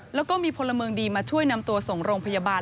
จากเมืองดีมาช่วยนำตัวส่งโรงพยาบาล